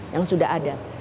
yang sudah ada